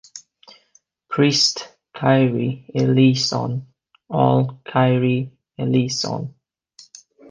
Priest: Kyrie, eleison. All: Kyrie, eleison.